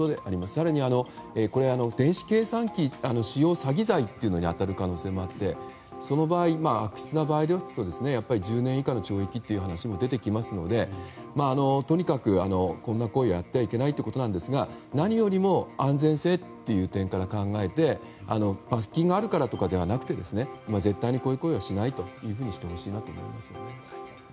更に電子計算機使用詐欺罪に当たる可能性もあってその場合、悪質ですと１０年以下の懲役という話も出てきますのでとにかく、こんな行為をやってはいけないということなんですが何よりも安全性という点から考えて罰金があるからとかではなくて絶対にこういう行為はしないようにしてほしいなと思います。